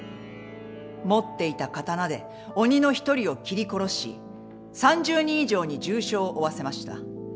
持っていた刀で鬼の１人を斬り殺し３０人以上に重傷を負わせました。